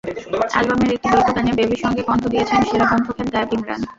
অ্যালবামের একটি দ্বৈত গানে বেবীর সঙ্গে কণ্ঠ দিয়েছেন সেরাকণ্ঠখ্যাত গায়ক ইমরান।